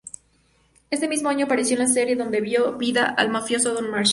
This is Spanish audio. Ese mismo año apareció en la serie donde dio vida al mafioso Don Marsh.